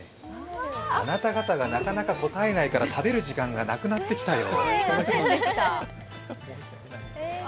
あなた方がなかなか答えないから食べる時間がなくなってきたよ。